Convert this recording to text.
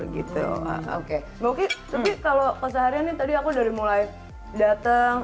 mbak oki tapi kalau keseharian nih tadi aku dari mulai datang